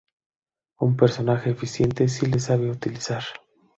Un personaje eficiente si le sabes utilizar.